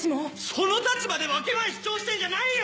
その立場で分け前主張してんじゃないよ！